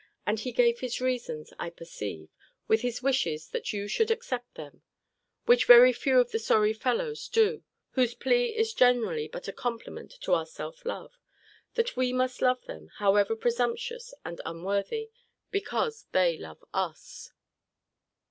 And he gave his reasons, I perceive, with his wishes that you should accept them; which very few of the sorry fellows do, whose plea is generally but a compliment to our self love That we must love them, however presumptuous and unworthy, because they love us.